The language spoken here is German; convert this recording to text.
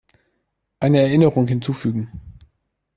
Eine Erinnerung hinzufügen.